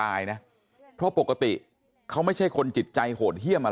แล้วก็ยัดลงถังสีฟ้าขนาด๒๐๐ลิตร